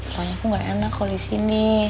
soalnya aku gak enak kalau disini